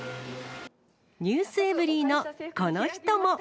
ｎｅｗｓｅｖｅｒｙ．のこの人も。